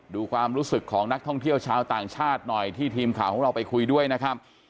ดูความรู้สึกของนักท่องเที่ยวชาวต่างชาติหน่อยที่ทีมข่าวของเราไปคุยด้วยนะครับ